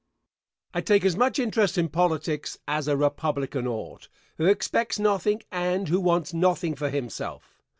I take as much interest in politics as a Republican ought who expects nothing and who wants nothing for himself.